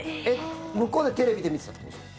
向こうでテレビで見てたってことですか？